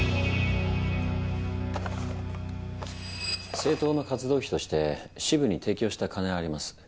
政党の活動費として支部に提供した金はあります。